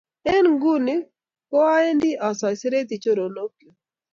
eng nguni ko owendi osoiseriti choronokchu